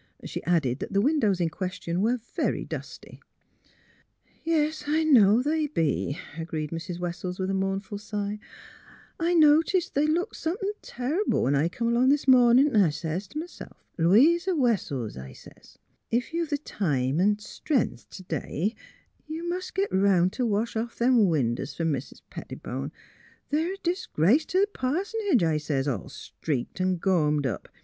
She added that the windows in ques tion were very dusty. " Yes, I know they be," agreed Mrs. Wessels, with a mournful sigh; " I noticed they looked 336 THE HEART OF PHILURA sometliin' terrible 's I come along this mornin'; 'n' I sez t' m'self, ' Louisa Wessels/ I sez, ' if you have th' time an' stren'th t' day you mus' git 'round t' wash off them winders f 'r Mis' Petti bone. They're a disgrace t' th' pars'nage,' I sez, ' all streaked an' gormed up.'